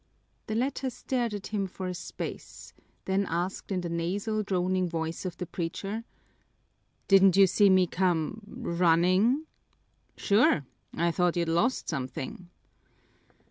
The latter stared at him for a space, then asked in the nasal, droning voice of the preacher, "Didn't you see me come running?" "Sure! I thought you'd lost something."